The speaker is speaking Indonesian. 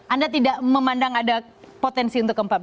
anda tidak memandang ada potensi untuk ke empat belas